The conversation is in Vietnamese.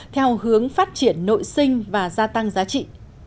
theo hướng phát triển nội sinh và gia tăng giá trị